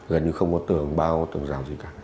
gần như không có tường bao tường rào gì cả